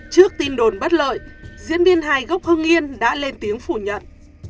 trước tin đồn bất lợi diễn viên hài gốc hưng yên đã lên tiếng phủ nhận